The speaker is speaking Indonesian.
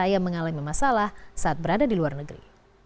yang mengalami masalah saat berada di luar negeri